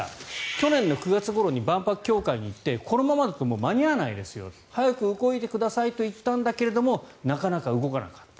去年９月ごろに万博協会に行ってこのままだと間に合わないですよ早く動いてくださいと言ったんですがなかなか動かなかった。